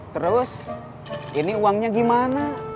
terus ini uangnya gimana